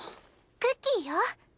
クッキーよ。